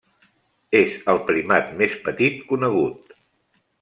És el primat més petit conegut.